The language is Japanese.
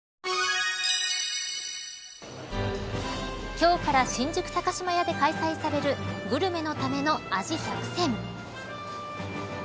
今日から新宿高島屋で開催されるグルメのための味百選。